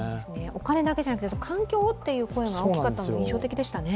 お金だけじゃなくて、環境をという声があったのも印象的でしたね。